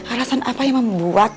alasan apa yang membuat